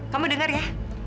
kamu dengar ya